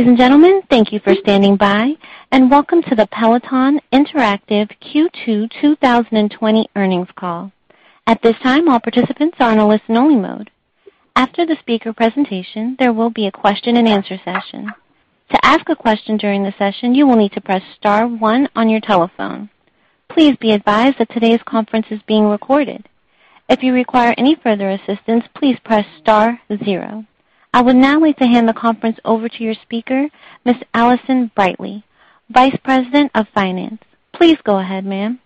Ladies and gentlemen, thank you for standing by, and welcome to the Peloton Interactive Q2 2020 earnings call. At this time, all participants are in a listen only mode. After the speaker presentation, there will be a question-and-answer session. To ask a question during the session, you will need to press star one on your telephone. Please be advised that today's conference is being recorded. If you require any further assistance, please press star zero. I would now like to hand the conference over to your speaker, Ms. Alison Brightly, Vice President, Finance. Please go ahead, ma'am.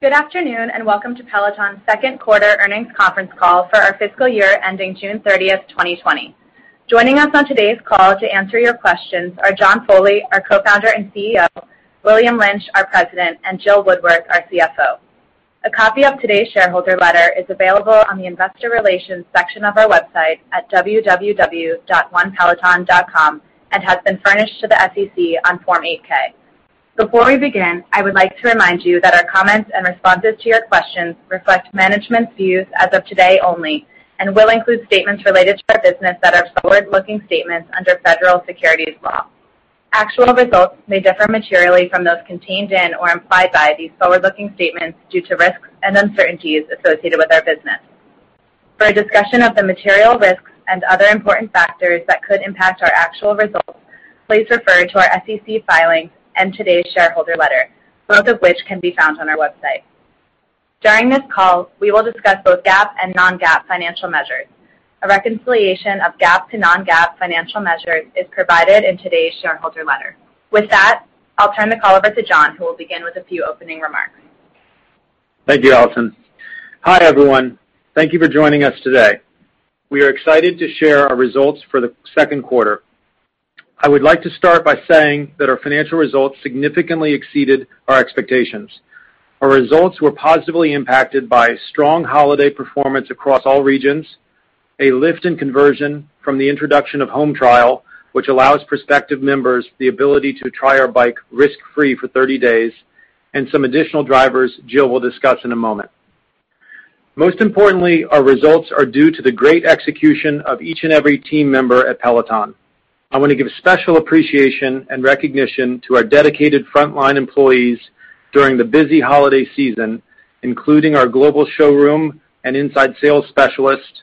Good afternoon, and welcome to Peloton's second quarter earnings conference call for our fiscal year ending June 30th, 2020. Joining us on today's call to answer your questions are John Foley, our Co-Founder and CEO, William Lynch, our President, and Jill Woodworth, our CFO. A copy of today's shareholder letter is available on the investor relations section of our website at www.onepeloton.com, has been furnished to the SEC on Form 8-K. Before we begin, I would like to remind you that our comments and responses to your questions reflect management's views as of today only and will include statements related to our business that are forward-looking statements under Federal Securities law. Actual results may differ materially from those contained in or implied by these forward-looking statements due to risks and uncertainties associated with our business. For a discussion of the material risks and other important factors that could impact our actual results, please refer to our SEC filing and today's shareholder letter, both of which can be found on our website. During this call, we will discuss both GAAP and non-GAAP financial measures. A reconciliation of GAAP to non-GAAP financial measures is provided in today's shareholder letter. With that, I'll turn the call over to John, who will begin with a few opening remarks. Thank you, Alison. Hi, everyone. Thank you for joining us today. We are excited to share our results for the second quarter. Our results were positively impacted by strong holiday performance across all regions, a lift in conversion from the introduction of Home Trial, which allows prospective members the ability to try our Bike risk-free for 30 days, and some additional drivers Jill will discuss in a moment. Most importantly, our results are due to the great execution of each and every team member at Peloton. I want to give special appreciation and recognition to our dedicated frontline employees during the busy holiday season, including our global showroom and inside sales specialists,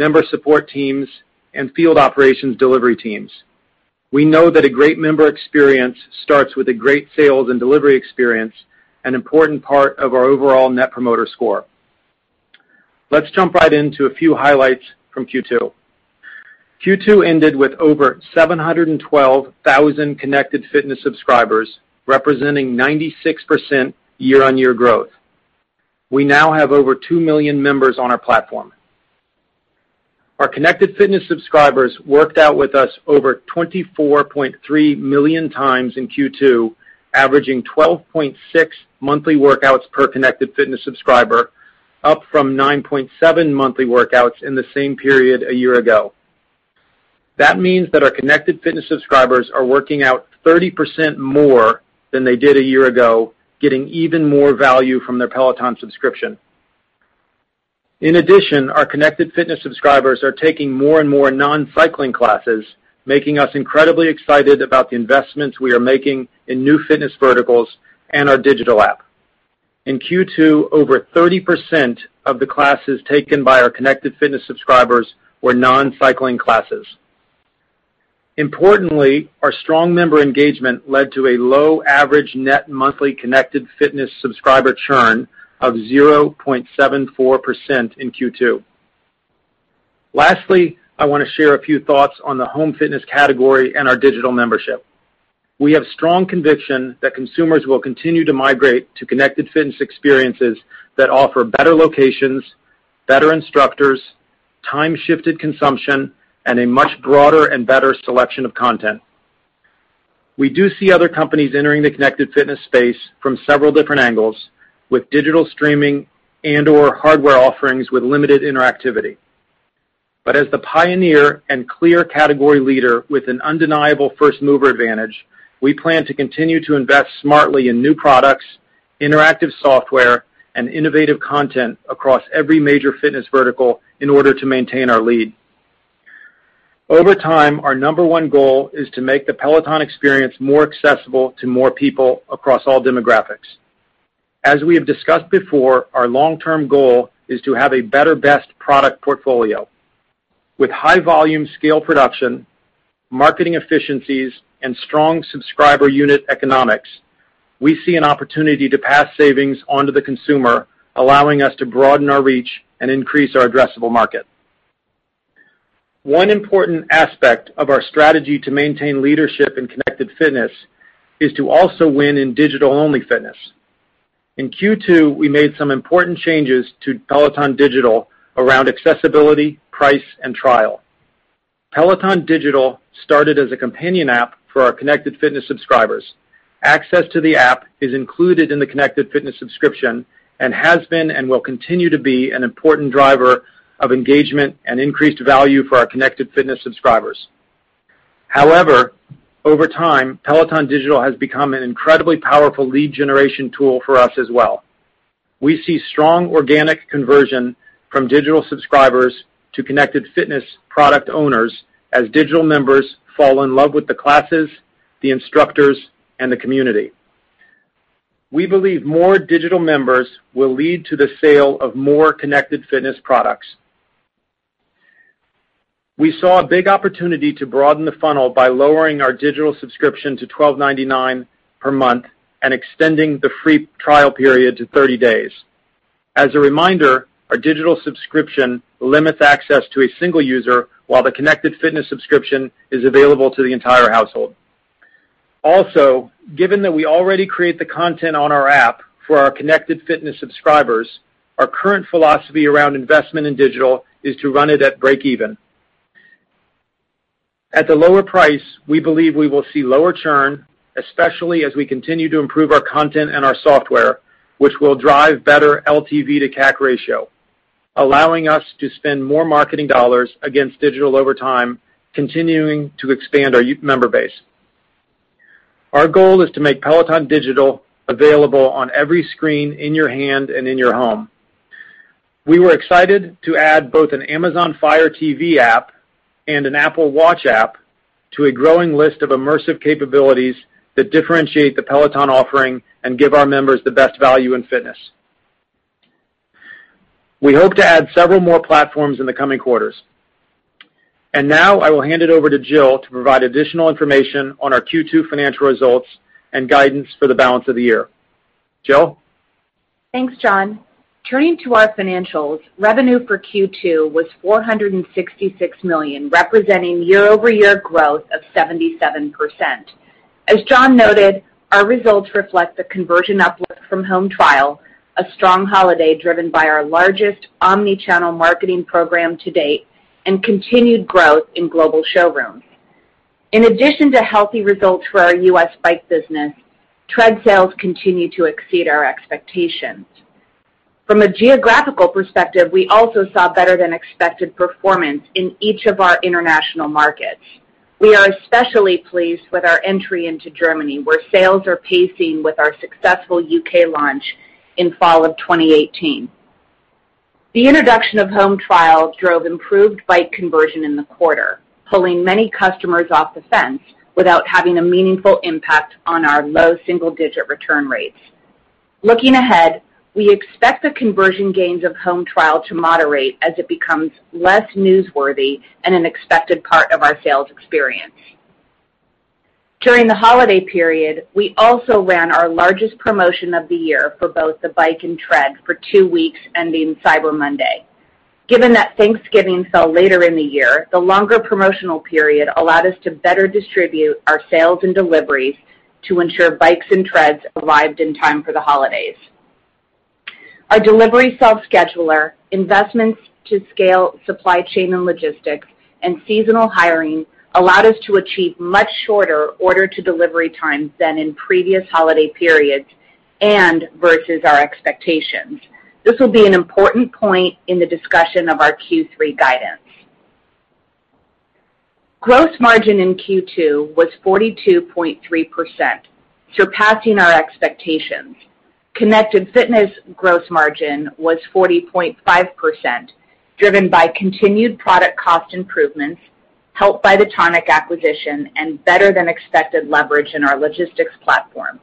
member support teams, and field operations delivery teams. We know that a great member experience starts with a great sales and delivery experience, an important part of our overall Net Promoter Score. Let's jump right into a few highlights from Q2. Q2 ended with over 712,000 Connected Fitness Subscribers, representing 96% year-on-year growth. We now have over 2 million members on our platform. Our Connected Fitness Subscribers worked out with us over 24.3 million times in Q2, averaging 12.6 monthly workouts per Connected Fitness Subscriber, up from 9.7 monthly workouts in the same period a year ago. That means that our Connected Fitness Subscribers are working out 30% more than they did a year ago, getting even more value from their Peloton subscription. In addition, our Connected Fitness Subscribers are taking more and more non-cycling classes, making us incredibly excited about the investments we are making in new fitness verticals and our Digital app. In Q2, over 30% of the classes taken by our Connected Fitness Subscribers were non-cycling classes. Importantly, our strong member engagement led to a low average net monthly Connected Fitness Subscriber churn of 0.74% in Q2. Lastly, I want to share a few thoughts on the home fitness category and our digital membership. We have strong conviction that consumers will continue to migrate to Connected Fitness experiences that offer better locations, better instructors, time-shifted consumption, and a much broader and better selection of content. We do see other companies entering the Connected Fitness space from several different angles with digital streaming and/or hardware offerings with limited interactivity. But as the pioneer and clear category leader with an undeniable first-mover advantage, we plan to continue to invest smartly in new products, interactive software, and innovative content across every major fitness vertical in order to maintain our lead. Over time, our number one goal is to make the Peloton experience more accessible to more people across all demographics. As we have discussed before, our long-term goal is to have a better best product portfolio. With high volume scale production, marketing efficiencies, and strong subscriber unit economics, we see an opportunity to pass savings onto the consumer, allowing us to broaden our reach and increase our addressable market. One important aspect of our strategy to maintain leadership in Connected Fitness is to also win in digital-only fitness. In Q2, we made some important changes to Peloton Digital around accessibility, price, and trial. Peloton Digital started as a companion app for our Connected Fitness Subscribers. Access to the app is included in the Connected Fitness Subscription and has been and will continue to be an important driver of engagement and increased value for our Connected Fitness Subscribers. However, over time, Peloton Digital has become an incredibly powerful lead generation tool for us as well. We see strong organic conversion from digital subscribers to connected fitness product owners as digital members fall in love with the classes, the instructors, and the community. We believe more digital members will lead to the sale of more connected fitness products. We saw a big opportunity to broaden the funnel by lowering our digital subscription to $12.99 per month and extending the free trial period to 30 days. As a reminder, our digital subscription limits access to a single user, while the Connected Fitness Subscription is available to the entire household. Also, given that we already create the content on our app for our Connected Fitness Subscribers, our current philosophy around investment in digital is to run it at breakeven. At the lower price, we believe we will see lower churn, especially as we continue to improve our content and our software, which will drive better LTV to CAC ratio, allowing us to spend more marketing dollars against Peloton Digital over time, continuing to expand our member base. Our goal is to make Peloton Digital available on every screen in your hand and in your home. We were excited to add both an Amazon Fire TV app and an Apple Watch app to a growing list of immersive capabilities that differentiate the Peloton offering and give our members the best value in fitness. We hope to add several more platforms in the coming quarters. Now I will hand it over to Jill to provide additional information on our Q2 financial results and guidance for the balance of the year. Jill? Thanks, John. Turning to our financials, revenue for Q2 was $466 million, representing year-over-year growth of 77%. As John noted, our results reflect the conversion uplift from Home Trial, a strong holiday driven by our largest omni-channel marketing program to date, and continued growth in global showrooms. In addition to healthy results for our U.S. Bike business, Tread sales continue to exceed our expectations. From a geographical perspective, we also saw better than expected performance in each of our international markets. We are especially pleased with our entry into Germany, where sales are pacing with our successful U.K. launch in fall of 2018. The introduction of Home Trials drove improved Bike conversion in the quarter, pulling many customers off the fence without having a meaningful impact on our low single-digit return rates. Looking ahead, we expect the conversion gains of Home Trial to moderate as it becomes less newsworthy and an expected part of our sales experience. During the holiday period, we also ran our largest promotion of the year for both the bike and tread for two weeks ending Cyber Monday. Given that Thanksgiving fell later in the year, the longer promotional period allowed us to better distribute our sales and deliveries to ensure bikes and treads arrived in time for the holidays. Our delivery self-scheduler, investments to scale supply chain and logistics, and seasonal hiring allowed us to achieve much shorter order to delivery times than in previous holiday periods and versus our expectations. This will be an important point in the discussion of our Q3 guidance. Gross margin in Q2 was 42.3%, surpassing our expectations. Connected fitness gross margin was 40.5%, driven by continued product cost improvements, helped by the Tonic acquisition and better than expected leverage in our logistics platform.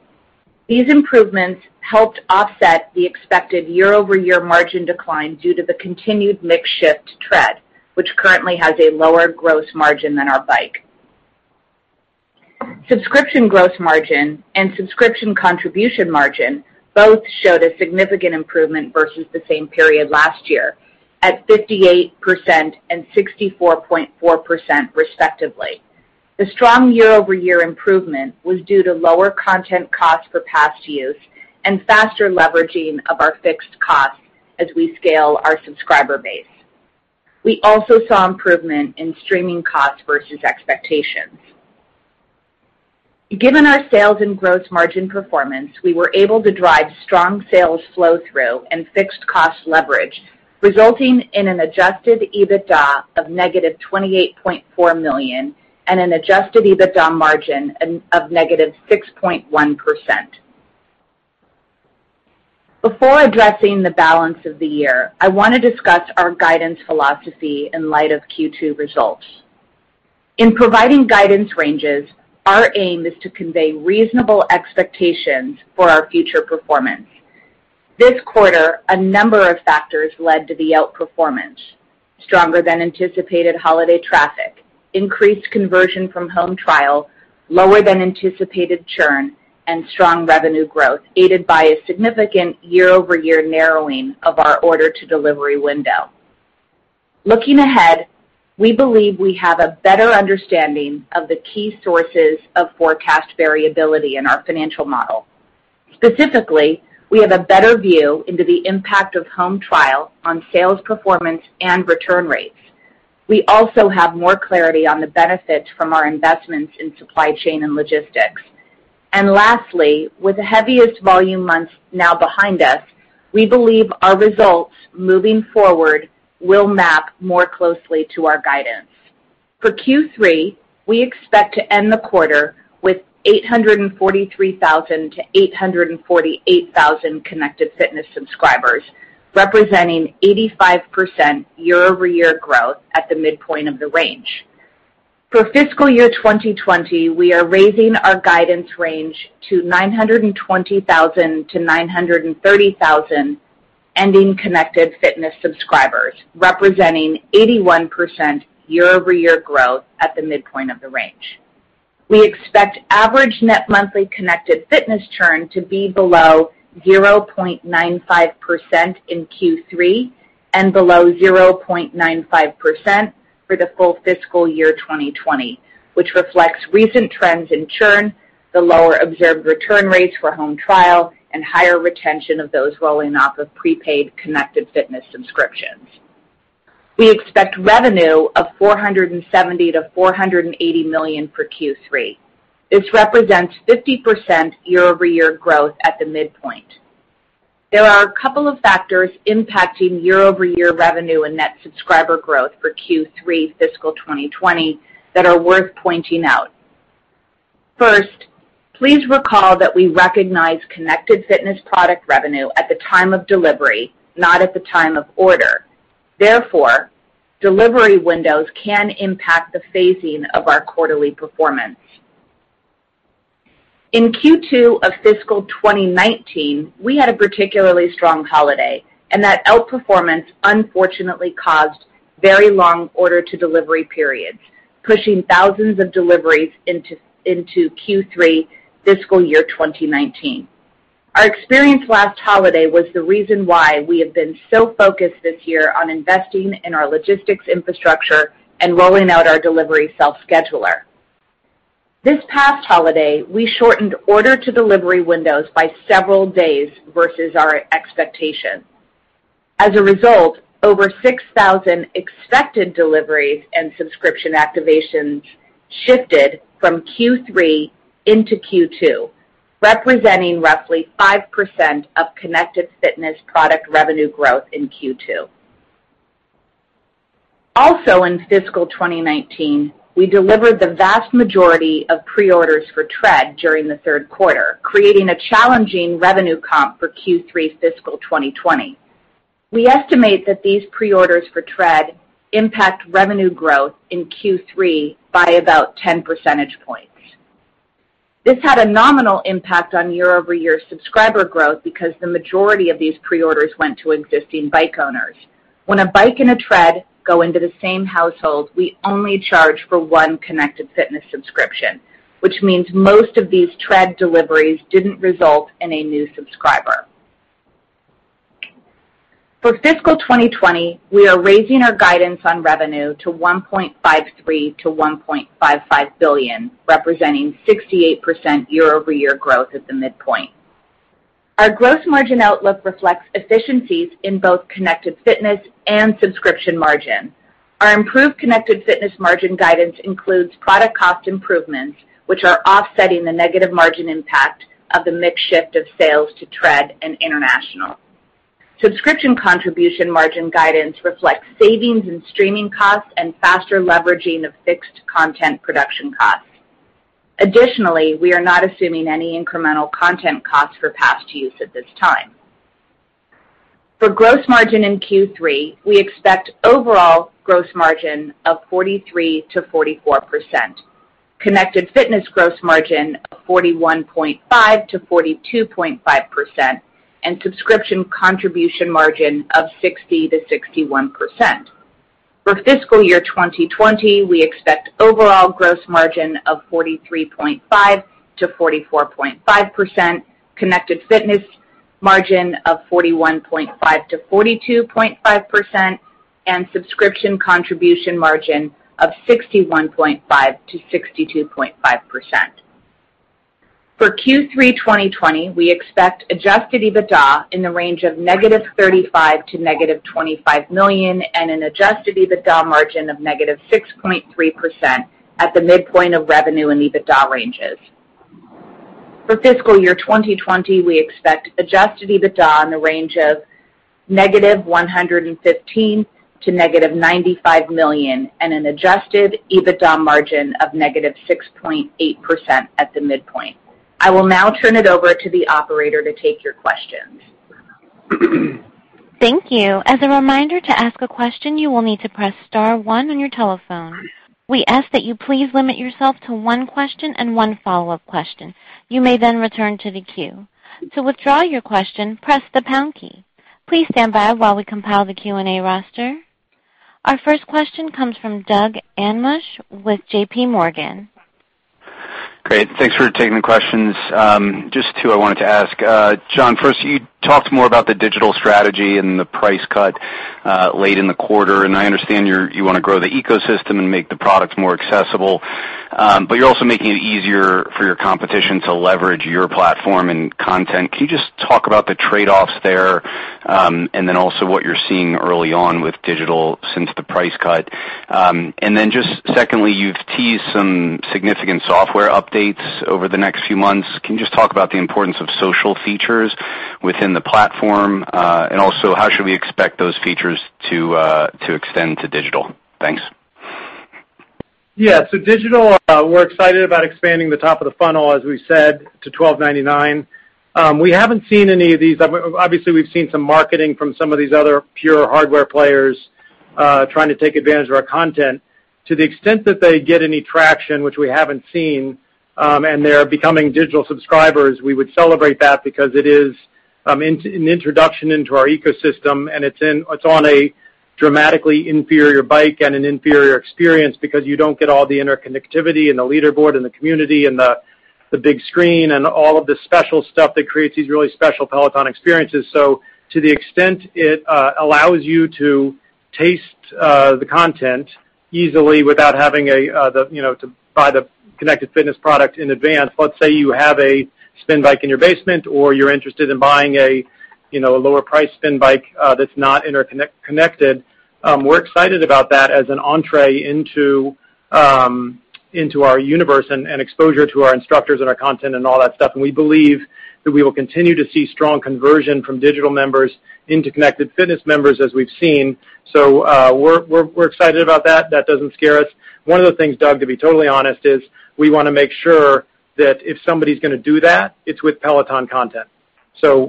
These improvements helped offset the expected year-over-year margin decline due to the continued mix shift to Tread, which currently has a lower gross margin than our Bike. Subscription gross margin and subscription contribution margin both showed a significant improvement versus the same period last year at 58% and 64.4% respectively. The strong year-over-year improvement was due to lower content costs for past use and faster leveraging of our fixed costs as we scale our subscriber base. We also saw improvement in streaming costs versus expectations. Given our sales and gross margin performance, we were able to drive strong sales flow through and fixed cost leverage, resulting in an adjusted EBITDA of -$28.4 million and an adjusted EBITDA margin of -6.1%. Before addressing the balance of the year, I want to discuss our guidance philosophy in light of Q2 results. In providing guidance ranges, our aim is to convey reasonable expectations for our future performance. This quarter, a number of factors led to the outperformance. Stronger than anticipated holiday traffic, increased conversion from Home Trial, lower than anticipated churn, and strong revenue growth, aided by a significant year-over-year narrowing of our order to delivery window. Looking ahead, we believe we have a better understanding of the key sources of forecast variability in our financial model. Specifically, we have a better view into the impact of Home Trial on sales performance and return rates. We also have more clarity on the benefits from our investments in supply chain and logistics. Lastly, with the heaviest volume months now behind us, we believe our results moving forward will map more closely to our guidance. For Q3, we expect to end the quarter with 843,000-848,000 Connected Fitness Subscribers, representing 85% year-over-year growth at the midpoint of the range. For FY 2020, we are raising our guidance range to 920,000-930,000 ending Connected Fitness Subscribers, representing 81% year-over-year growth at the midpoint of the range. We expect average net monthly Connected Fitness churn to be below 0.95% in Q3 and below 0.95% for the full FY 2020, which reflects recent trends in churn, the lower observed return rates for Home Trial, and higher retention of those rolling off of prepaid Connected Fitness Subscriptions. We expect revenue of $470 million-$480 million for Q3. This represents 50% year-over-year growth at the midpoint. There are a couple of factors impacting year-over-year revenue and net subscriber growth for Q3 fiscal 2020 that are worth pointing out. First, please recall that we recognize Connected Fitness product revenue at the time of delivery, not at the time of order. Therefore, delivery windows can impact the phasing of our quarterly performance. In Q2 of fiscal 2019, we had a particularly strong holiday, and that outperformance unfortunately caused very long order-to-delivery periods, pushing thousands of deliveries into Q3 fiscal year 2019. Our experience last holiday was the reason why we have been so focused this year on investing in our logistics infrastructure and rolling out our delivery self-scheduler. This past holiday, we shortened order-to-delivery windows by several days versus our expectation. As a result, over 6,000 expected deliveries and subscription activations shifted from Q3 into Q2, representing roughly 5% of Connected Fitness product revenue growth in Q2. Also in FY 2019, we delivered the vast majority of pre-orders for Tread during the third quarter, creating a challenging revenue comp for Q3 FY 2020. We estimate that these pre-orders for Tread impact revenue growth in Q3 by about 10 percentage points. This had a nominal impact on year-over-year subscriber growth because the majority of these pre-orders went to existing bike owners. When a bike and a Tread go into the same household, we only charge for one Connected Fitness Subscription, which means most of these Tread deliveries didn't result in a new subscriber. For FY 2020, we are raising our guidance on revenue to $1.53 billion-$1.55 billion, representing 68% year-over-year growth at the midpoint. Our gross margin outlook reflects efficiencies in both Connected Fitness and subscription margin. Our improved Connected Fitness margin guidance includes product cost improvements, which are offsetting the negative margin impact of the mix shift of sales to Tread and international. Subscription Contribution Margin guidance reflects savings and streaming costs and faster leveraging of fixed content production costs. Additionally, we are not assuming any incremental content costs for past use at this time. For gross margin in Q3, we expect overall gross margin of 43%-44%, Connected Fitness gross margin of 41.5%-42.5%, and Subscription Contribution Margin of 60%-61%. For fiscal year 2020, we expect overall gross margin of 43.5%-44.5%, Connected Fitness margin of 41.5%-42.5%, and Subscription Contribution Margin of 61.5%-62.5%. For Q3 2020, we expect adjusted EBITDA in the range of -$35 million to -$25 million, and an adjusted EBITDA margin of -6.3% at the midpoint of revenue and EBITDA ranges. For fiscal year 2020, we expect adjusted EBITDA in the range of -$115 million to -$95 million, and an adjusted EBITDA margin of -6.8% at the midpoint. I will now turn it over to the operator to take your questions. Thank you. As a reminder, to ask a question, you will need to press star one on your telephone. We ask that you please limit yourself to one question and one follow-up question. You may return to the queue. To withdraw your question, press the hash key. Please stand by while we compile the Q&A roster. Our first question comes from Doug Anmuth with JPMorgan. Great. Thanks for taking the questions. Just two I wanted to ask. John, first, you talked more about the digital strategy and the price cut late in the quarter, and I understand you want to grow the ecosystem and make the products more accessible. You're also making it easier for your competition to leverage your platform and content. Can you just talk about the trade-offs there, and then also what you're seeing early on with digital since the price cut? Then just secondly, you've teased some significant software updates over the next few months. Can you just talk about the importance of social features within the platform, and also how should we expect those features to extend to digital? Thanks. Yeah. Digital, we're excited about expanding the top of the funnel, as we said, to $1,299. We haven't seen any of these. Obviously, we've seen some marketing from some of these other pure hardware players trying to take advantage of our content. To the extent that they get any traction, which we haven't seen, and they're becoming Digital Subscribers, we would celebrate that because it is an introduction into our ecosystem, and it's on a dramatically inferior Bike and an inferior experience because you don't get all the interconnectivity and the leaderboard and the community and the big screen and all of the special stuff that creates these really special Peloton experiences. To the extent it allows you to taste the content easily without having to buy the Connected Fitness product in advance. Let's say you have a spin bike in your basement or you're interested in buying a lower price spin bike that's not interconnected, we're excited about that as an entrée into our universe and exposure to our instructors and our content and all that stuff. We believe that we will continue to see strong conversion from digital members into connected fitness members as we've seen. We're excited about that. That doesn't scare us. One of the things, Doug, to be totally honest, is we want to make sure that if somebody's going to do that, it's with Peloton content.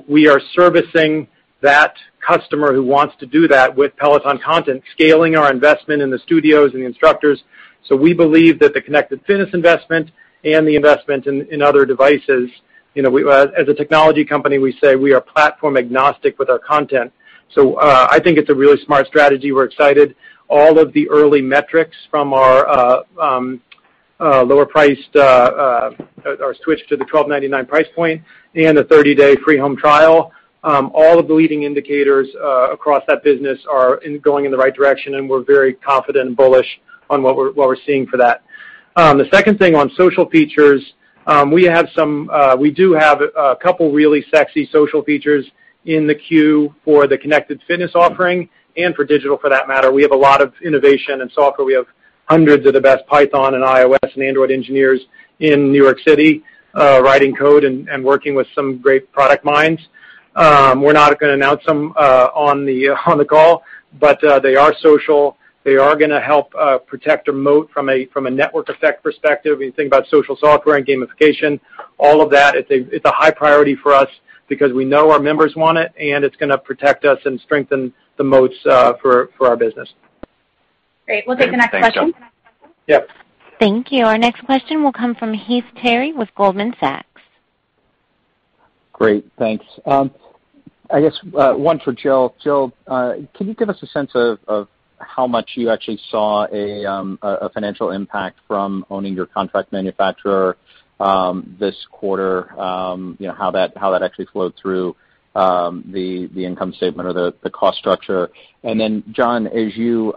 We are servicing that customer who wants to do that with Peloton content, scaling our investment in the studios and the instructors. We believe that the connected fitness investment and the investment in other devices, as a technology company, we say we are platform agnostic with our content. I think it's a really smart strategy. We're excited. All of the early metrics from our lower priced, our switch to the $1,299 price point and the 30-day free Home Trial, all of the leading indicators across that business are going in the right direction, and we're very confident and bullish on what we're seeing for that. The second thing on social features, we do have a couple really sexy social features in the queue for the connected fitness offering and for digital, for that matter. We have a lot of innovation in software. We have hundreds of the best Python and iOS and Android engineers in New York City, writing code and working with some great product minds. We're not going to announce them on the call, but they are social. They are going to help protect and moat from a network effect perspective. You think about social software and gamification, all of that, it's a high priority for us because we know our members want it, and it's going to protect us and strengthen the moats for our business. Great. We'll take the next question. Yeah. Thank you. Our next question will come from Heath Terry with Goldman Sachs. Great. Thanks. I guess, one for Jill. Jill, can you give us a sense of how much you actually saw a financial impact from owning your contract manufacturer, this quarter, how that actually flowed through, the income statement or the cost structure? Then John, as you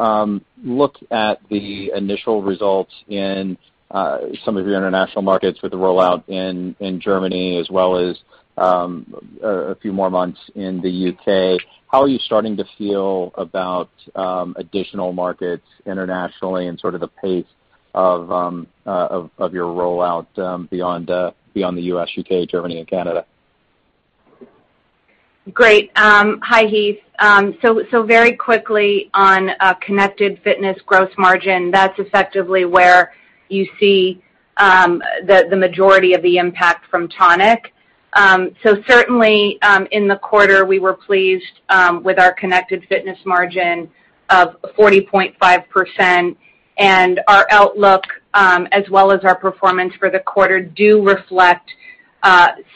look at the initial results in some of your international markets with the rollout in Germany as well as a few more months in the U.K., how are you starting to feel about additional markets internationally and sort of the pace of your rollout beyond the U.S., U.K., Germany, and Canada? Great. Hi, Heath. Very quickly on connected fitness gross margin, that's effectively where you see the majority of the impact from Tonic. Certainly, in the quarter, we were pleased with our Connected Fitness Subscription margin of 40.5%, and our outlook, as well as our performance for the quarter, do reflect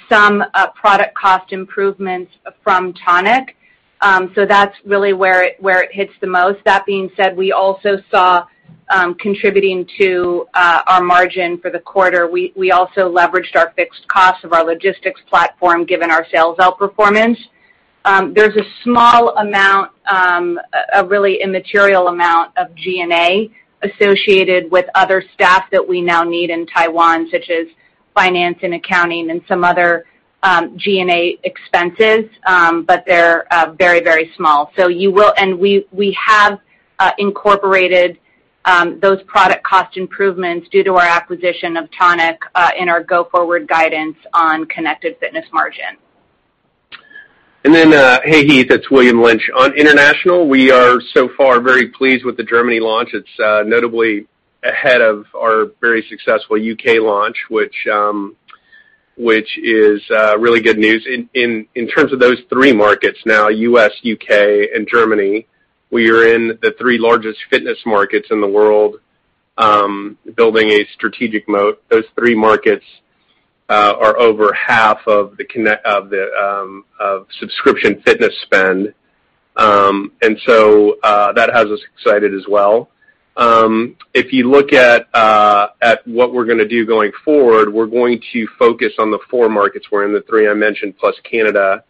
some product cost improvements from Tonic. That's really where it hits the most. That being said, we also saw, contributing to our margin for the quarter, we also leveraged our fixed costs of our logistics platform, given our sales outperformance. There's a small amount, a really immaterial amount of G&A associated with other staff that we now need in Taiwan, such as finance and accounting and some other G&A expenses. They're very, very small. We have incorporated those product cost improvements due to our acquisition of Tonic in our go-forward guidance on connected fitness margin. Hey, Heath, it's William Lynch. On international, we are so far very pleased with the Germany launch. It's notably ahead of our very successful U.K. launch, which is really good news. In terms of those three markets now, U.S., U.K., and Germany, we are in the three largest fitness markets in the world, building a strategic moat. Those three markets are over half of subscription fitness spend, that has us excited as well. If you look at what we're going to do going forward, we're going to focus on the four markets. We're in the three I mentioned, plus Canada,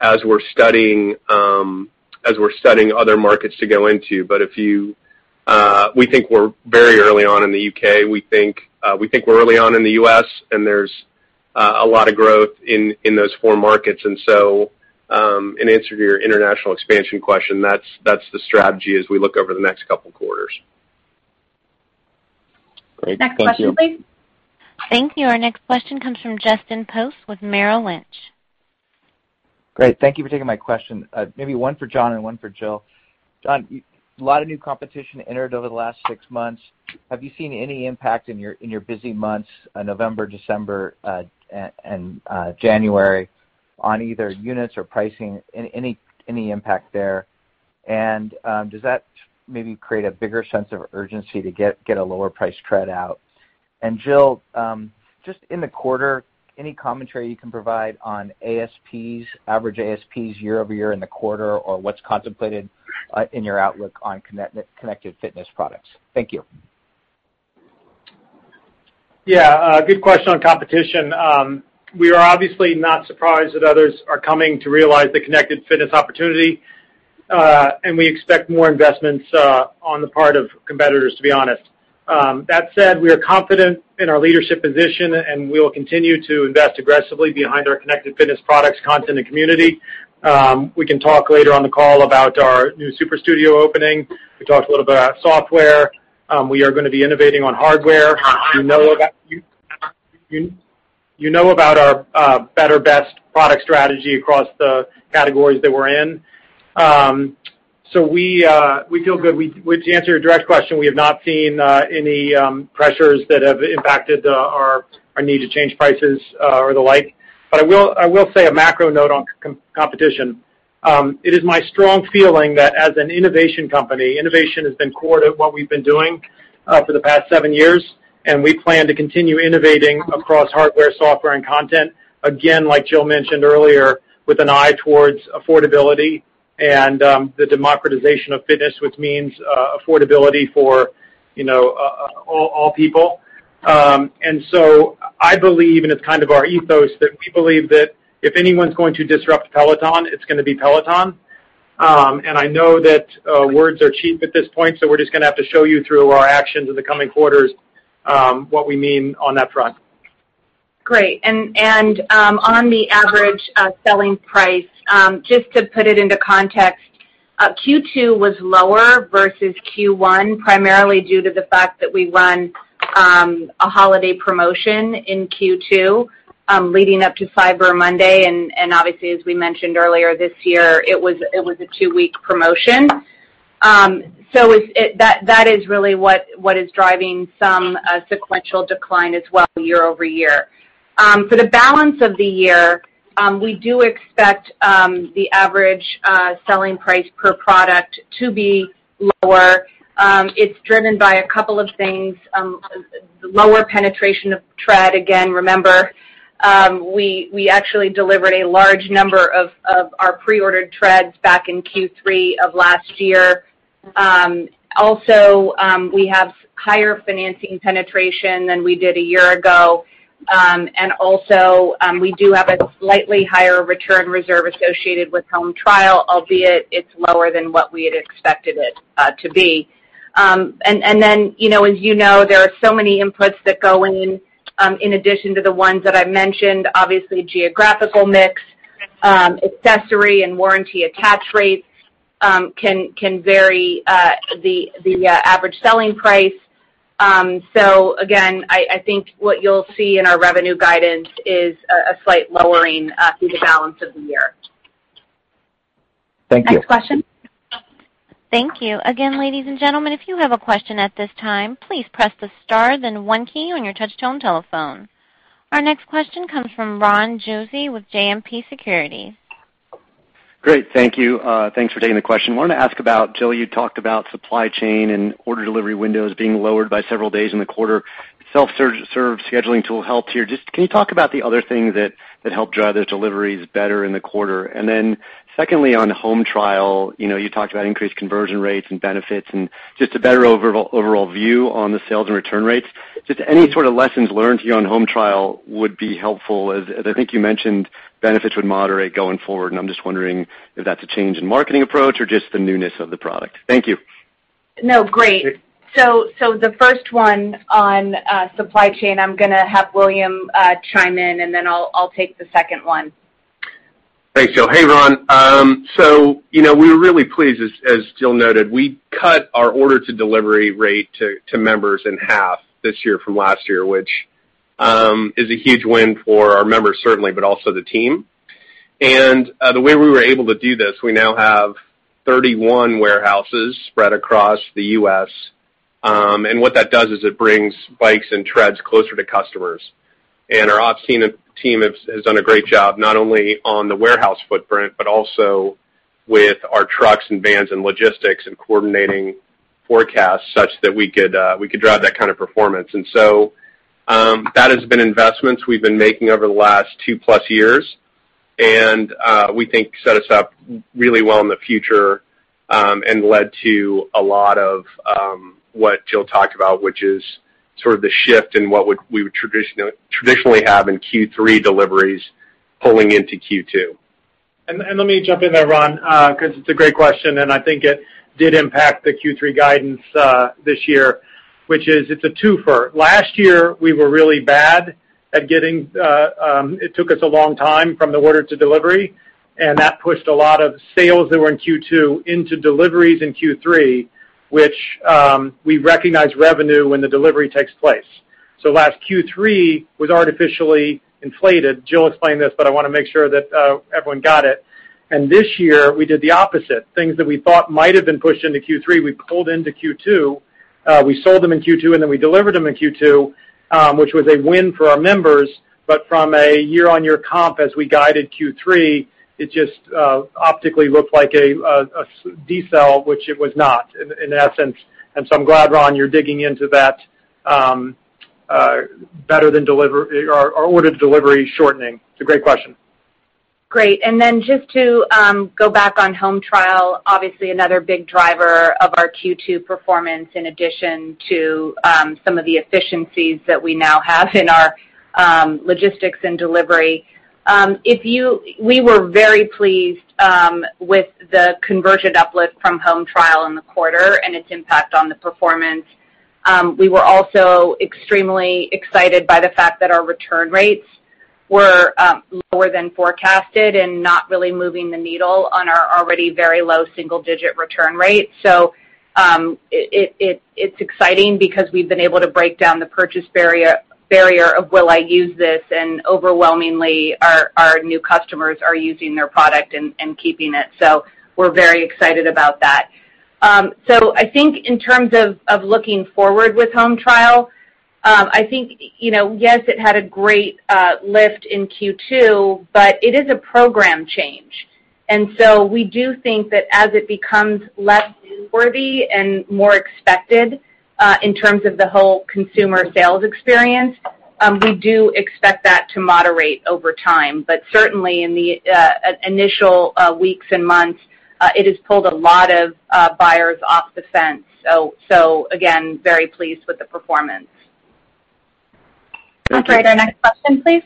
as we're studying other markets to go into. We think we're very early on in the U.K. We think we're early on in the U.S., there's a lot of growth in those four markets. In answer to your international expansion question, that's the strategy as we look over the next couple quarters. Great. Thank you. Next question, please. Thank you. Our next question comes from Justin Post with Merrill Lynch. Great. Thank you for taking my question. Maybe one for John and one for Jill. John, a lot of new competition entered over the last six months. Have you seen any impact in your busy months, November, December, and January, on either units or pricing? Any impact there? Does that maybe create a bigger sense of urgency to get a lower price Tread out? Jill, just in the quarter, any commentary you can provide on ASPs, average ASPs year-over-year in the quarter, or what's contemplated in your outlook on Connected Fitness products? Thank you. Yeah. Good question on competition. We are obviously not surprised that others are coming to realize the Connected Fitness opportunity. We expect more investments on the part of competitors, to be honest. That said, we are confident in our leadership position. We will continue to invest aggressively behind our Connected Fitness products, content, and community. We can talk later on the call about our new Peloton Studios opening. We talked a little about software. We are going to be innovating on hardware. You know about our better, best product strategy across the categories that we're in. We feel good. To answer your direct question, we have not seen any pressures that have impacted our need to change prices or the like. I will say a macro note on competition. It is my strong feeling that as an innovation company, innovation has been core to what we've been doing for the past seven years, and we plan to continue innovating across hardware, software, and content. Again, like Jill mentioned earlier, with an eye towards affordability and the democratization of fitness, which means affordability for all people. I believe, and it's kind of our ethos, that we believe that if anyone's going to disrupt Peloton, it's going to be Peloton. I know that words are cheap at this point, so we're just going to have to show you through our actions in the coming quarters what we mean on that front. Great. On the average selling price, just to put it into context, Q2 was lower versus Q1, primarily due to the fact that we run a holiday promotion in Q2, leading up to Cyber Monday. Obviously, as we mentioned earlier this year, it was a two-week promotion. That is really what is driving some sequential decline as well year-over-year. For the balance of the year, we do expect the average selling price per product to be lower. It's driven by a couple of things. Lower penetration of tread. Again, remember, we actually delivered a large number of our pre-ordered treads back in Q3 of last year. Also, we have higher financing penetration than we did a year ago. Also, we do have a slightly higher return reserve associated with Home Trial, albeit it's lower than what we had expected it to be. As you know, there are so many inputs that go in addition to the ones that I've mentioned, obviously geographical mix, accessory, and warranty attach rates can vary the average selling price. Again, I think what you'll see in our revenue guidance is a slight lowering through the balance of the year. Thank you. Next question. Thank you. Again, ladies and gentlemen, if you have a question at this time, please press the star then one key on your touch tone telephone. Our next question comes from Ron Josey with JMP Securities. Great. Thank you. Thanks for taking the question. Wanted to ask about, Jill, you talked about supply chain and order delivery windows being lowered by several days in the quarter. delivery self-scheduler helped here. Just can you talk about the other things that helped drive those deliveries better in the quarter? Secondly, on Home Trial, you talked about increased conversion rates and benefits and just a better overall view on the sales and return rates. Just any sort of lessons learned here on Home Trial would be helpful, as I think you mentioned benefits would moderate going forward, and I'm just wondering if that's a change in marketing approach or just the newness of the product. Thank you. No, great. The first one on supply chain, I'm going to have William chime in, and then I'll take the second one. Thanks, Jill. Hey, Ron. We were really pleased, as Jill noted, we cut our order to delivery rate to members in half this year from last year, which is a huge win for our members, certainly, but also the team. The way we were able to do this, we now have 31 warehouses spread across the U.S. What that does is it brings bikes and treads closer to customers. Our ops team has done a great job, not only on the warehouse footprint, but also with our trucks and vans and logistics and coordinating forecasts such that we could drive that kind of performance. That has been investments we've been making over the last 2+ years, and we think set us up really well in the future, and led to a lot of what Jill talked about, which is sort of the shift in what we would traditionally have in Q3 deliveries pulling into Q2. Let me jump in there, Ron, because it's a great question, and I think it did impact the Q3 guidance this year, which is it's a two-fer. Last year, we were really bad at it took us a long time from the order to delivery. That pushed a lot of sales that were in Q2 into deliveries in Q3, which we recognize revenue when the delivery takes place. Last Q3 was artificially inflated. Jill explained this, I want to make sure that everyone got it. This year, we did the opposite. Things that we thought might have been pushed into Q3, we pulled into Q2. We sold them in Q2, we delivered them in Q2, which was a win for our members. From a year-on-year comp, as we guided Q3, it just optically looked like a de-sell, which it was not, in essence. I'm glad, Ron, you're digging into that better than our ordered delivery shortening. It's a great question. Great. Just to go back on Home Trial, obviously another big driver of our Q2 performance in addition to some of the efficiencies that we now have in our logistics and delivery. We were very pleased with the conversion uplift from Home Trial in the quarter and its impact on the performance. We were also extremely excited by the fact that our return rates were lower than forecasted and not really moving the needle on our already very low single-digit return rate. It's exciting because we've been able to break down the purchase barrier of will I use this? Overwhelmingly, our new customers are using their product and keeping it. We're very excited about that. I think in terms of looking forward with Home Trial, I think, yes, it had a great lift in Q2, but it is a program change. We do think that as it becomes less newsworthy and more expected in terms of the whole consumer sales experience, we do expect that to moderate over time. Certainly in the initial weeks and months, it has pulled a lot of buyers off the fence. Again, very pleased with the performance. Thank you. Operator, our next question, please.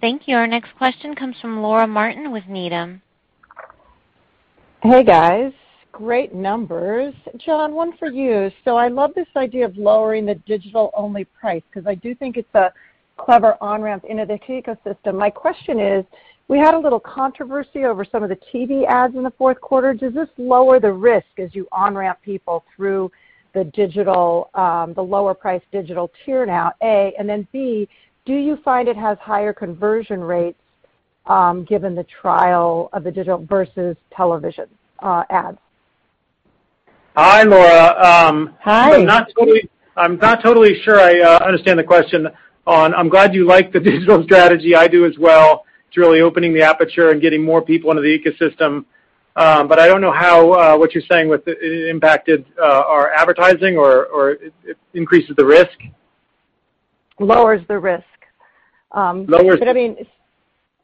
Thank you. Our next question comes from Laura Martin with Needham. Hey, guys. Great numbers. John, one for you. I love this idea of lowering the Digital-only price because I do think it's a clever on-ramp into the ecosystem. My question is, we had a little controversy over some of the TV ads in the fourth quarter. Does this lower the risk as you on-ramp people through the lower-priced Digital tier now, A? B, do you find it has higher conversion rates given the trial of the Digital versus television ads? Hi, Laura. Hi. I'm not totally sure I understand the question. I'm glad you like the digital strategy. I do as well. It's really opening the aperture and getting more people into the ecosystem. I don't know how what you're saying impacted our advertising or it increases the risk. Lowers the risk. Lowers. I mean,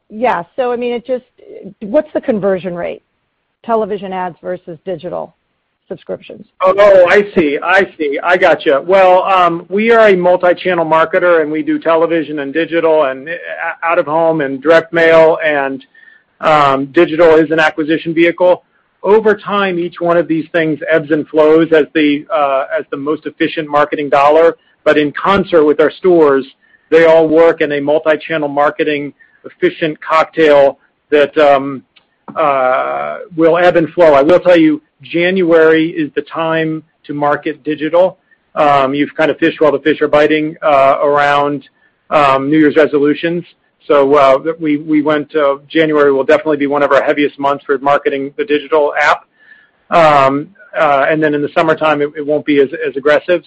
yeah. What's the conversion rate, television ads versus digital subscriptions? Oh, I see. I got you. Well, we are a multi-channel marketer. We do television and digital and out-of-home and direct mail, and digital is an acquisition vehicle. Over time, each one of these things ebbs and flows as the most efficient marketing dollar. In concert with our stores, they all work in a multi-channel marketing efficient cocktail that will ebb and flow. I will tell you, January is the time to market Digital. You've kind of fish while the fish are biting around New Year's resolutions. January will definitely be one of our heaviest months for marketing the Digital app. In the summertime, it won't be as aggressive.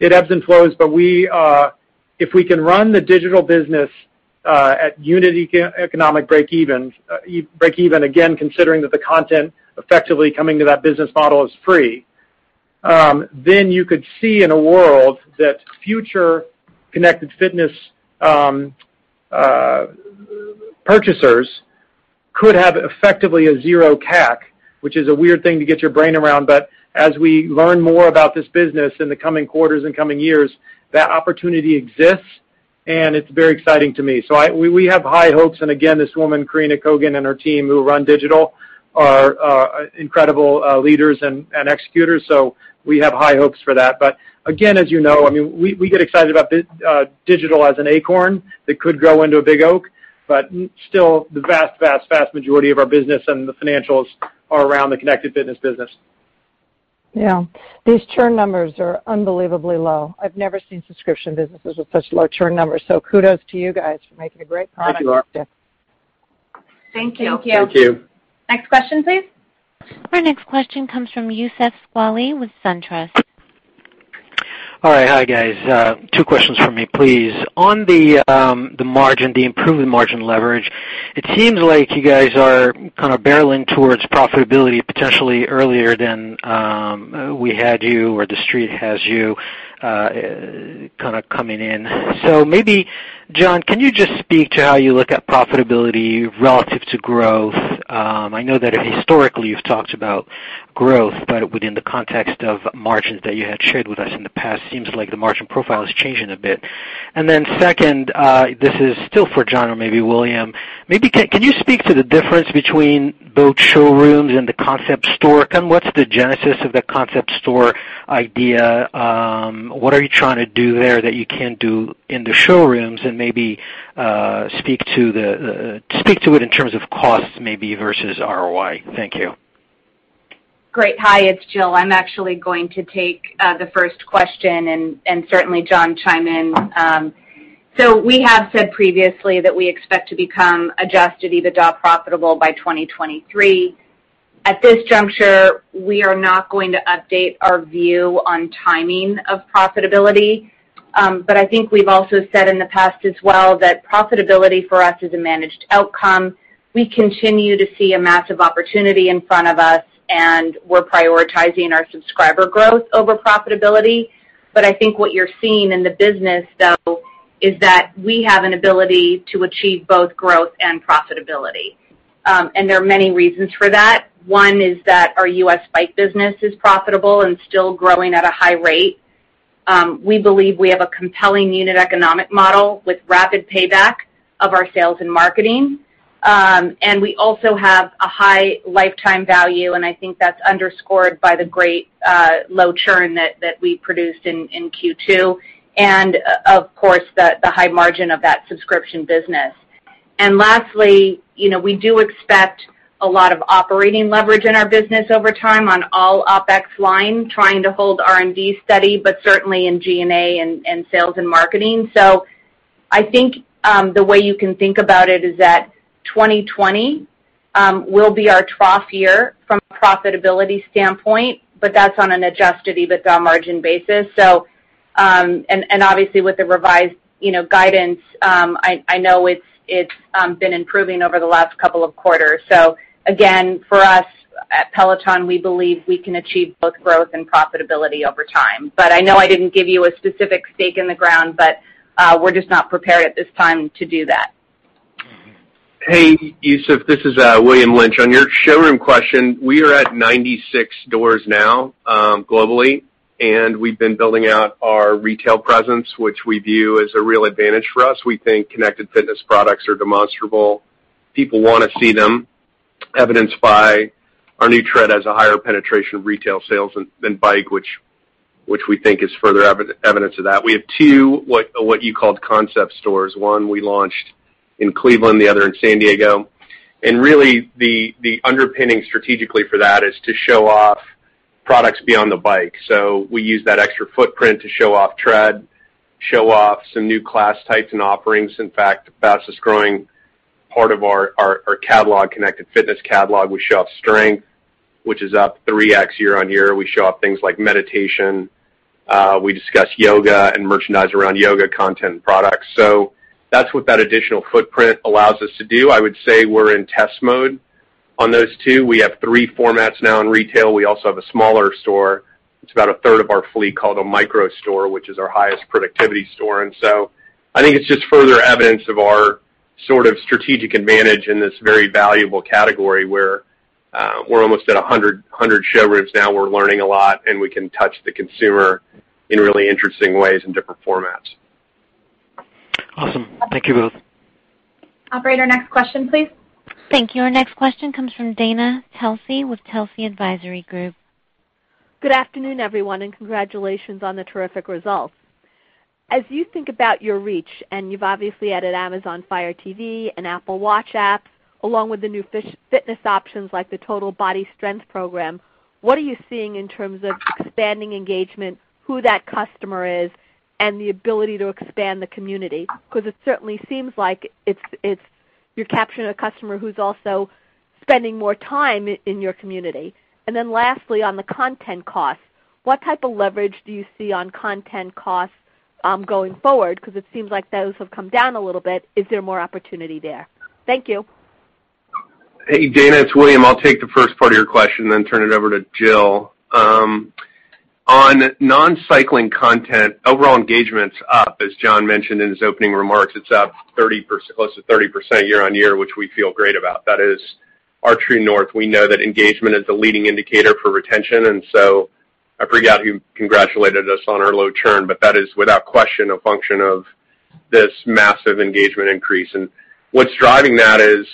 It ebbs and flows. If we can run the digital business at unit economic break even, again, considering that the content effectively coming to that business model is free, then you could see in a world that future Connected Fitness purchasers could have effectively a zero CAC, which is a weird thing to get your brain around. As we learn more about this business in the coming quarters and coming years, that opportunity exists, and it's very exciting to me. We have high hopes. Again, this woman, Karina Kogan, and her team who run digital are incredible leaders and executors. We have high hopes for that. Again, as you know, we get excited about digital as an acorn that could grow into a big oak. Still, the vast majority of our business and the financials are around the Connected Fitness business. Yeah. These churn numbers are unbelievably low. I've never seen subscription businesses with such low churn numbers. Kudos to you guys for making a great product. Thank you, Laura. Thank you. Thank you. Next question, please. Our next question comes from Youssef Squali with SunTrust. All right. Hi, guys. Two questions for me, please. On the margin, the improved margin leverage, it seems like you guys are kind of barreling towards profitability potentially earlier than we had you or the street has you kind of coming in. Maybe, John, can you just speak to how you look at profitability relative to growth? I know that historically you've talked about growth, but within the context of margins that you had shared with us in the past, seems like the margin profile is changing a bit. Second, this is still for John or maybe William. Maybe can you speak to the difference between both showrooms and the concept store? What's the genesis of the concept store idea? What are you trying to do there that you can't do in the showrooms? Maybe speak to it in terms of costs maybe versus ROI. Thank you. Great. Hi, it's Jill. I'm actually going to take the first question. Certainly, John chime in. We have said previously that we expect to become adjusted EBITDA profitable by 2023. At this juncture, we are not going to update our view on timing of profitability. I think we've also said in the past as well, that profitability for us is a managed outcome. We continue to see a massive opportunity in front of us. We're prioritizing our subscriber growth over profitability. I think what you're seeing in the business though, is that we have an ability to achieve both growth and profitability. There are many reasons for that. One is that our U.S. bike business is profitable and still growing at a high rate. We believe we have a compelling unit economic model with rapid payback of our sales and marketing. We also have a high lifetime value, and I think that's underscored by the great low churn that we produced in Q2. Of course, the high margin of that subscription business. Lastly, we do expect a lot of operating leverage in our business over time on all OpEx lines, trying to hold R&D steady, but certainly in G&A and sales and marketing. I think, the way you can think about it is that 2020 will be our trough year from a profitability standpoint, but that's on an adjusted EBITDA margin basis. Obviously with the revised guidance, I know it's been improving over the last couple of quarters. Again, for us at Peloton, we believe we can achieve both growth and profitability over time. I know I didn't give you a specific stake in the ground, but we're just not prepared at this time to do that. Hey, Youssef, this is William Lynch. On your showroom question, we are at 96 doors now globally, and we've been building out our retail presence, which we view as a real advantage for us. We think Connected Fitness products are demonstrable. People want to see them, evidenced by our new Tread as a higher penetration of retail sales than Bike, which we think is further evidence of that. We have two, what you called concept stores. One we launched in Cleveland, the other in San Diego. Really the underpinning strategically for that is to show off products beyond the Bike. We use that extra footprint to show off Tread, show off some new class types and offerings. In fact, the fastest-growing part of our catalog, Connected Fitness catalog, we show off Strength, which is up 3x year-on-year. We show off things like Meditation. We discuss yoga and merchandise around yoga content and products. That's what that additional footprint allows us to do. I would say we're in test mode on those two. We have three formats now in retail. We also have a smaller store. It's about a third of our fleet, called a micro store, which is our highest productivity store. I think it's just further evidence of our sort of strategic advantage in this very valuable category, where we're almost at 100 showrooms now. We're learning a lot, and we can touch the consumer in really interesting ways and different formats. Awesome. Thank you both. Operator, next question, please. Thank you. Our next question comes from Dana Telsey with Telsey Advisory Group. Good afternoon, everyone. Congratulations on the terrific results. As you think about your reach, and you've obviously added Amazon Fire TV and Apple Watch app, along with the new fitness options like the Total Body Strength program, what are you seeing in terms of expanding engagement, who that customer is, and the ability to expand the community? It certainly seems like you're capturing a customer who's also spending more time in your community. Lastly, on the content cost, what type of leverage do you see on content costs going forward? It seems like those have come down a little bit. Is there more opportunity there? Thank you. Hey, Dana, it's William. I'll take the first part of your question, then turn it over to Jill. On non-cycling content, overall engagement's up, as John mentioned in his opening remarks. It's up close to 30% year-on-year, which we feel great about. That is our true north. We know that engagement is the leading indicator for retention, I forgot who congratulated us on our low churn, but that is without question, a function of this massive engagement increase. What's driving that is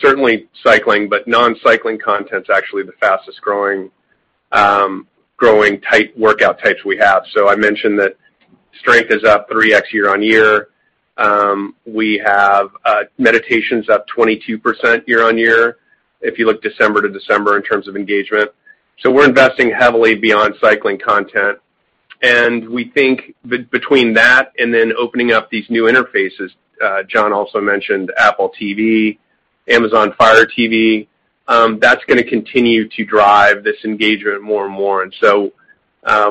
certainly cycling, but non-cycling content's actually the fastest-growing workout types we have. I mentioned that Strength is up 3x year-on-year. Meditation's up 22% year-on-year, if you look December to December in terms of engagement. We're investing heavily beyond cycling content. We think between that and then opening up these new interfaces, John also mentioned Apple TV, Amazon Fire TV, that's going to continue to drive this engagement more and more.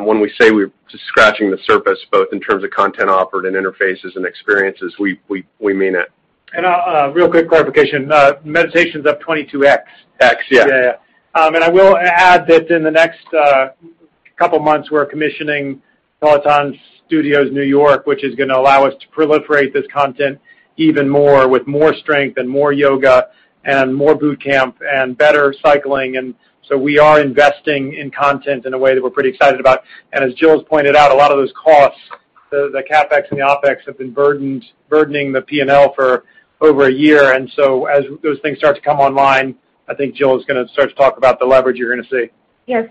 When we say we're just scratching the surface, both in terms of content offered and interfaces and experiences, we mean it. Real quick clarification, Meditation's up 22x. X, yeah. Yeah. I will add that in the next couple of months, we're commissioning Peloton Studios New York, which is going to allow us to proliferate this content even more, with more Strength and more Yoga and more Bootcamp and better cycling. We are investing in content in a way that we're pretty excited about. As Jill's pointed out, a lot of those costs, the CapEx and the OpEx, have been burdening the P&L for over a year. As those things start to come online, I think Jill is going to start to talk about the leverage you're going to see. Yeah.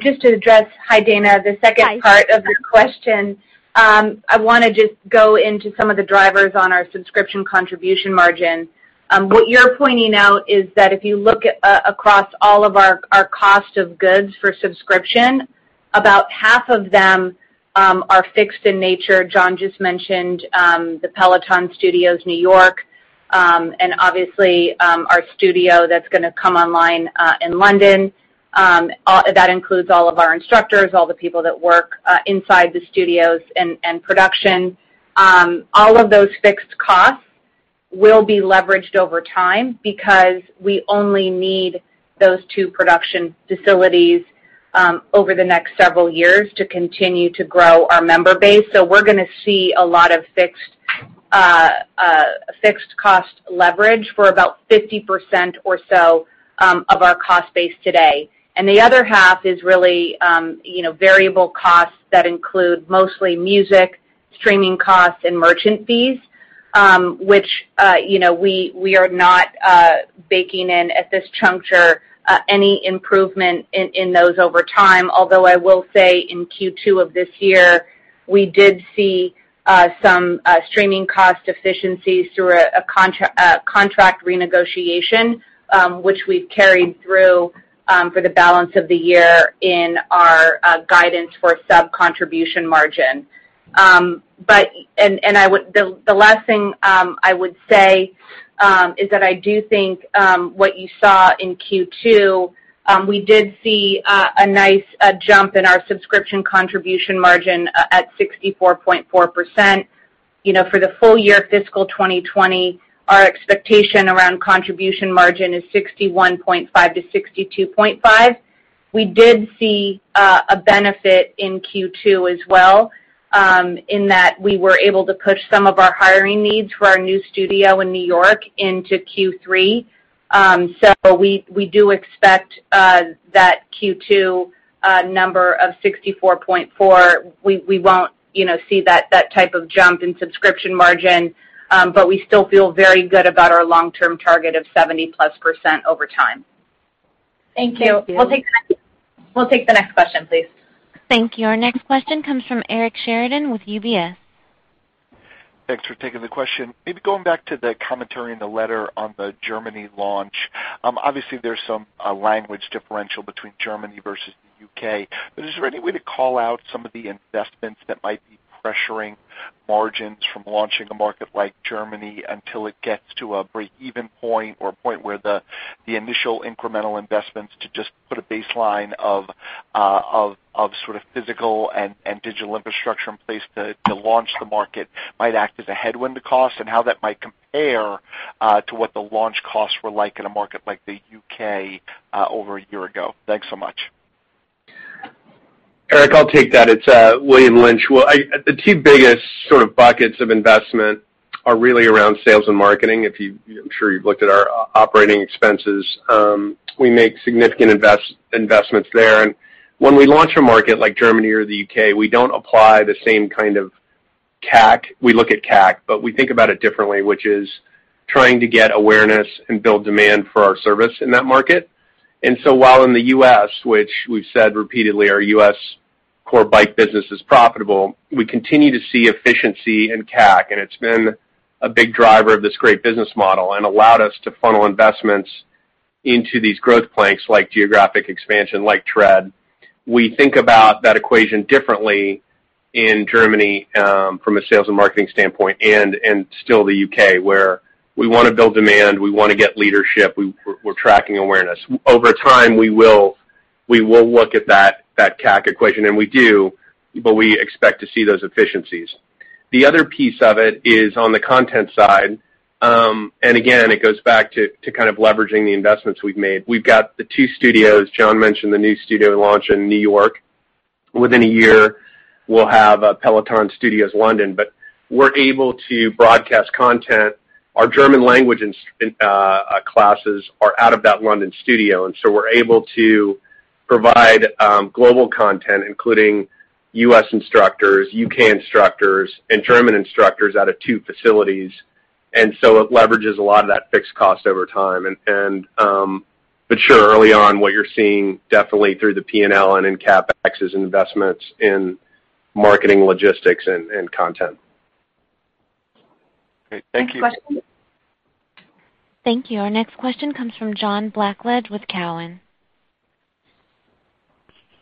just to address, hi, Dana. Hi. The second part of the question. I want to just go into some of the drivers on our Subscription Contribution Margin. What you're pointing out is that if you look across all of our cost of goods for subscription, about half of them are fixed in nature. John just mentioned the Peloton Studios, New York, and obviously our studio that's going to come online in London. That includes all of our instructors, all the people that work inside the studios, and production. All of those fixed costs will be leveraged over time because we only need those two production facilities over the next several years to continue to grow our member base. We're going to see a lot of fixed cost leverage for about 50% or so of our cost base today. The other half is really variable costs that include mostly music, streaming costs, and merchant fees, which we are not baking in at this juncture, any improvement in those over time. Although I will say in Q2 of this year, we did see some streaming cost efficiencies through a contract renegotiation, which we've carried through for the balance of the year in our guidance for Subscription Contribution Margin. The last thing I would say is that I do think, what you saw in Q2, we did see a nice jump in our Subscription Contribution Margin at 64.4%. For the full year fiscal 2020, our expectation around Subscription Contribution Margin is 61.5%-62.5%. We did see a benefit in Q2 as well, in that we were able to push some of our hiring needs for our new studio in New York into Q3. We do expect that Q2 number of 64.4%, we won't see that type of jump in subscription margin. We still feel very good about our long-term target of 70%+ over time. Thank you. We'll take the next question, please. Thank you. Our next question comes from Eric Sheridan with UBS. Thanks for taking the question. Going back to the commentary in the letter on the Germany launch. Obviously, there's some language differential between Germany versus the U.K. Is there any way to call out some of the investments that might be pressuring margins from launching a market like Germany until it gets to a breakeven point or a point where the initial incremental investments to just put a baseline of sort of physical and digital infrastructure in place to launch the market might act as a headwind to cost and how that might compare to what the launch costs were like in a market like the U.K. over a year ago? Thanks so much. Eric, I'll take that. It's William Lynch. Well, the two biggest sort of buckets of investment are really around sales and marketing. I'm sure you've looked at our operating expenses. We make significant investments there. When we launch a market like Germany or the U.K., we don't apply the same kind of CAC. We look at CAC, but we think about it differently, which is trying to get awareness and build demand for our service in that market. While in the U.S., which we've said repeatedly, our U.S. core bike business is profitable, we continue to see efficiency in CAC, and it's been a big driver of this great business model and allowed us to funnel investments into these growth planks like geographic expansion, like Tread. We think about that equation differently in Germany, from a sales and marketing standpoint and still the U.K., where we want to build demand, we want to get leadership. We're tracking awareness. Over time, we will look at that CAC equation, and we do, but we expect to see those efficiencies. The other piece of it is on the content side. Again, it goes back to kind of leveraging the investments we've made. We've got the two studios. John mentioned the new studio launch in New York. Within a year, we'll have a Peloton Studios London, but we're able to broadcast content. Our German language classes are out of that London studio, we're able to provide global content, including U.S. instructors, U.K. instructors, and German instructors out of two facilities. It leverages a lot of that fixed cost over time. Sure, early on, what you're seeing definitely through the P&L and in CapEx is investments in marketing, logistics, and content. Great. Thank you. Next question. Thank you. Our next question comes from John Blackledge with Cowen.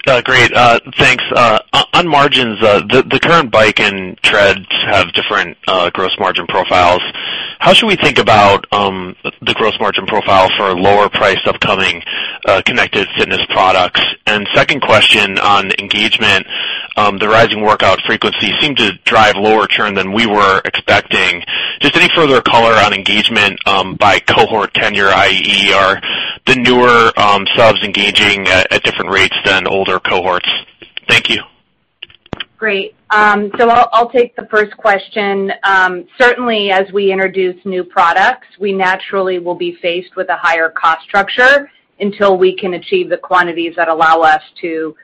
Great. Thanks. On margins, the current Bike and Tread have different gross margin profiles. How should we think about the gross margin profile for lower priced upcoming Connected Fitness products? Second question on engagement. The rising workout frequency seemed to drive lower churn than we were expecting. Just any further color on engagement by cohort tenure, i.e. are the newer subs engaging at different rates than older cohorts? Thank you. Great. I'll take the first question. Certainly as we introduce new products, we naturally will be faced with a higher cost structure until we can achieve the quantities that allow us to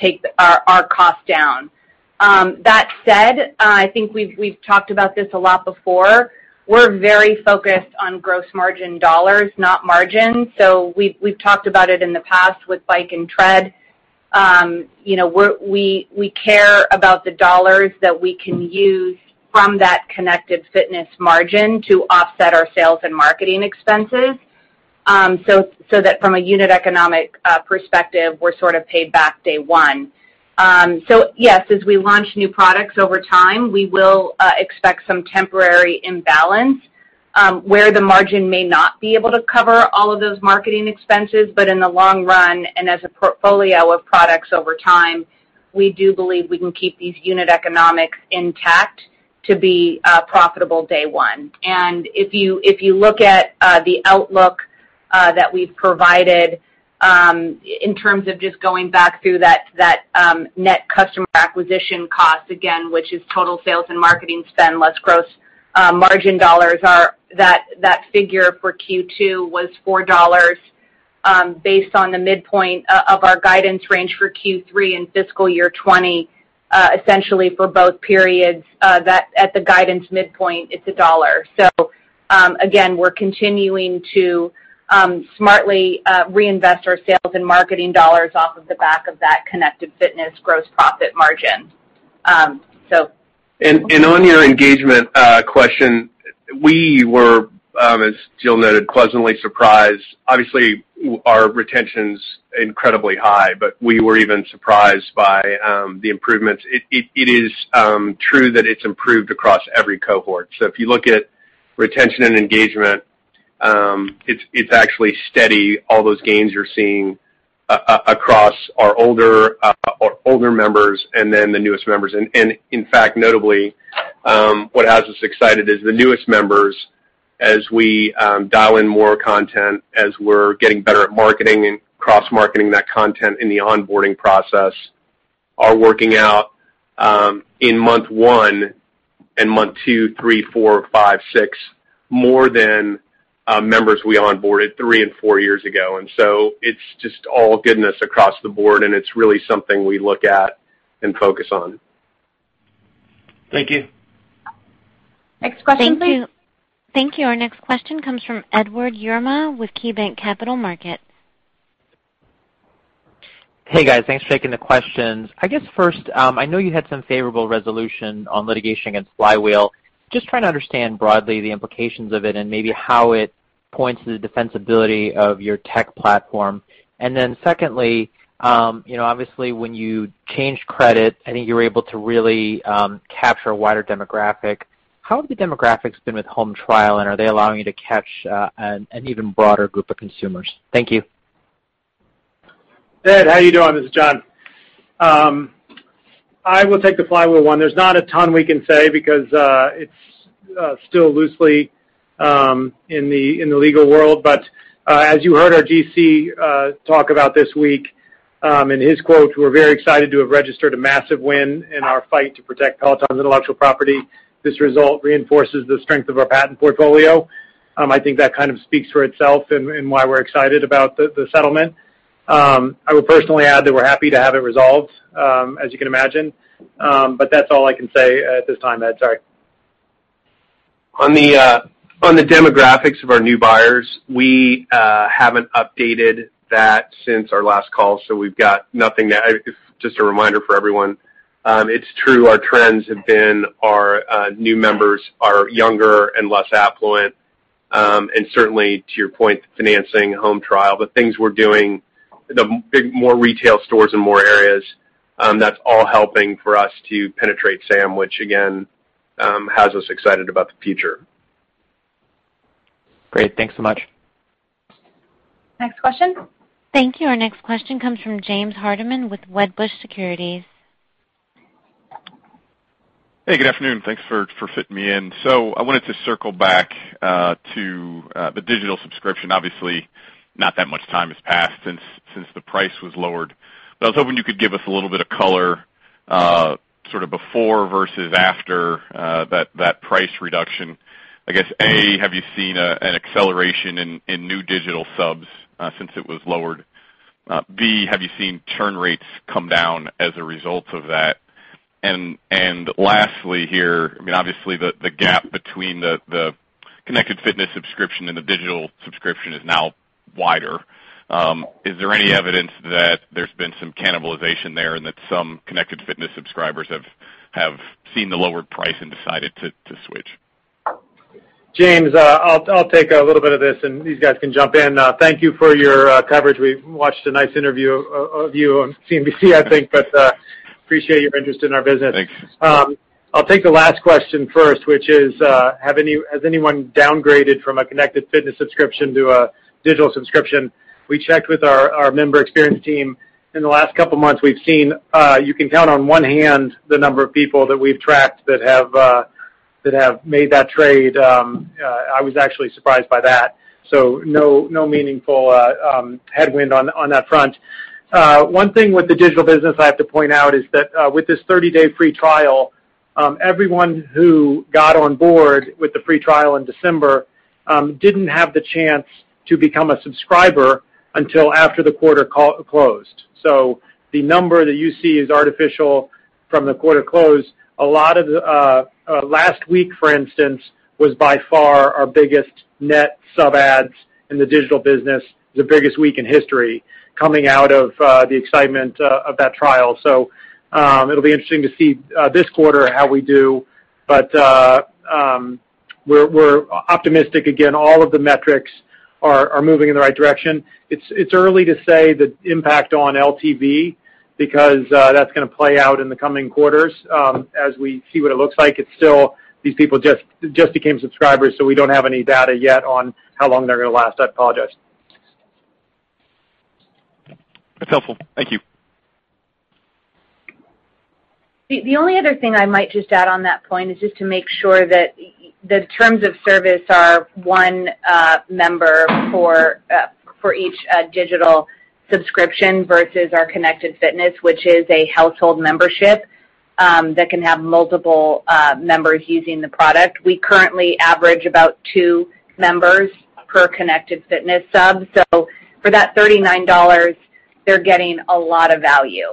take our cost down. That said, I think we've talked about this a lot before. We're very focused on gross margin dollars, not margin. We've talked about it in the past with bike and tread. We care about the dollars that we can use from that connected fitness margin to offset our sales and marketing expenses, so that from a unit economic perspective, we're sort of paid back day one. Yes, as we launch new products over time, we will expect some temporary imbalance, where the margin may not be able to cover all of those marketing expenses. In the long run, and as a portfolio of products over time, we do believe we can keep these unit economics intact to be profitable day one. If you look at the outlook that we've provided, in terms of just going back through that Net Customer Acquisition Cost, again, which is total sales and marketing spend, less gross margin dollars, that figure for Q2 was $4, based on the midpoint of our guidance range for Q3 in fiscal year 2020. Essentially for both periods, at the guidance midpoint, it's $1. Again, we're continuing to smartly reinvest our sales and marketing dollars off of the back of that Connected Fitness gross profit margin. On your engagement question, we were, as Jill noted, pleasantly surprised. Obviously, our retention's incredibly high, but we were even surprised by the improvements. It is true that it's improved across every cohort. If you look at retention and engagement, it's actually steady, all those gains you're seeing across our older members and then the newest members. In fact, notably, what has us excited is the newest members, as we dial in more content, as we're getting better at marketing and cross-marketing that content in the onboarding process, are working out, in month one and month two, three, four, five, six, more than members we onboarded three and four years ago. It's just all goodness across the board, and it's really something we look at and focus on. Thank you. Next question please. Thank you. Our next question comes from Edward Yruma with KeyBanc Capital Markets. Hey, guys. Thanks for taking the questions. I guess first, I know you had some favorable resolution on litigation against Flywheel. Just trying to understand broadly the implications of it and maybe how it points to the defensibility of your tech platform. Secondly, obviously when you changed credit, I think you were able to really capture a wider demographic. How have the demographics been with Home Trial, and are they allowing you to catch an even broader group of consumers? Thank you. Ed, how are you doing? This is John. I will take the Flywheel one. There is not a ton we can say because it is still loosely in the legal world. As you heard our GC talk about this week, in his quote, "We're very excited to have registered a massive win in our fight to protect Peloton's intellectual property. This result reinforces the strength of our patent portfolio." I think that kind of speaks for itself and why we're excited about the settlement. I would personally add that we're happy to have it resolved, as you can imagine. That's all I can say at this time, Ed, sorry. On the demographics of our new buyers, we haven't updated that since our last call. Just a reminder for everyone, it's true our trends have been our new members are younger and less affluent. Certainly to your point, financing, Home Trial, the things we're doing, the more retail stores in more areas, that's all helping for us to penetrate SAM, which again, has us excited about the future. Great. Thanks so much. Next question. Thank you. Our next question comes from James Hardiman with Wedbush Securities. Hey, good afternoon. Thanks for fitting me in. I wanted to circle back to the Digital subscription. Obviously, not that much time has passed since the price was lowered. I was hoping you could give us a little bit of color, sort of before versus after that price reduction. I guess, A, have you seen an acceleration in new Digital subs since it was lowered? B, have you seen churn rates come down as a result of that? Lastly here, obviously the gap between the Connected Fitness Subscription and the Digital subscription is now wider. Is there any evidence that there's been some cannibalization there and that some Connected Fitness Subscribers have seen the lower price and decided to switch? James, I'll take a little bit of this, and these guys can jump in. Thank you for your coverage. We watched a nice interview of you on CNBC, I think. Appreciate your interest in our business. Thank you. I'll take the last question first, which is, has anyone downgraded from a Connected Fitness Subscription to a Digital Subscription? We checked with our member experience team. In the last couple of months, we've seen, you can count on one hand the number of people that we've tracked that have made that trade. I was actually surprised by that. No meaningful headwind on that front. One thing with the Digital business I have to point out is that with this 30-day free trial, everyone who got on board with the free trial in December, didn't have the chance to become a subscriber until after the quarter closed. The number that you see is artificial. From the quarter close, last week, for instance, was by far our biggest net sub adds in the Digital business, the biggest week in history, coming out of the excitement of that trial. It'll be interesting to see this quarter how we do. We're optimistic. Again, all of the metrics are moving in the right direction. It's early to say the impact on LTV, because that's going to play out in the coming quarters, as we see what it looks like. These people just became subscribers, so we don't have any data yet on how long they're going to last. I apologize. That's helpful. Thank you. The only other thing I might just add on that point is just to make sure that the terms of service are one member for each digital subscription versus our Connected Fitness, which is a household membership that can have multiple members using the product. We currently average about two members per Connected Fitness sub. For that $39, they're getting a lot of value.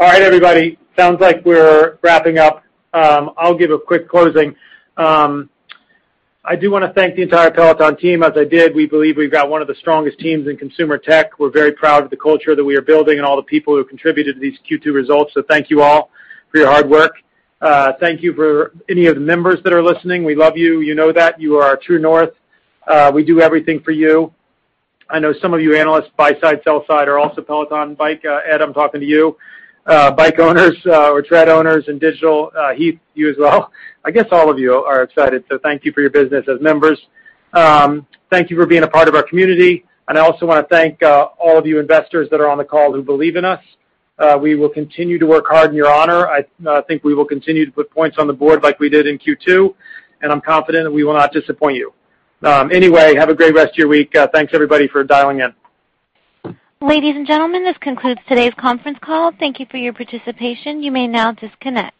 All right, everybody. Sounds like we're wrapping up. I'll give a quick closing. I do want to thank the entire Peloton team, as I did. We believe we've got one of the strongest teams in consumer tech. We're very proud of the culture that we are building and all the people who have contributed to these Q2 results. Thank you all for your hard work. Thank you for any of the members that are listening. We love you. You know that. You are our true north. We do everything for you. I know some of you analysts, buy side, sell side, are also Peloton Bike Ed, I'm talking to you, Bike owners or Tread owners in Digital, Heath, you as well. I guess all of you are excited. Thank you for your business as members. Thank you for being a part of our community. I also want to thank all of you investors that are on the call who believe in us. We will continue to work hard in your honor. I think we will continue to put points on the board like we did in Q2, and I'm confident that we will not disappoint you. Anyway, have a great rest of your week. Thanks everybody for dialing in. Ladies and gentlemen, this concludes today's conference call. Thank you for your participation. You may now disconnect.